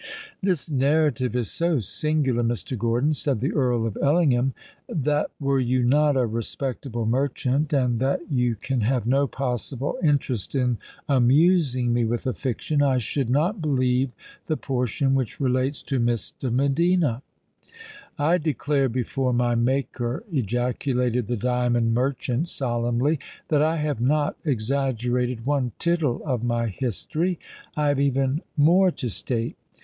"This narrative is so singular, Mr. Gordon," said the Earl of Ellingham, "that were you not a respectable merchant, and that you can have no possible interest in amusing me with a fiction, I should not believe the portion which relates to Miss de Medina." "I declare before my Maker," ejaculated the diamond merchant solemnly, "that I have not exaggerated one tittle of my history. I have even more to state.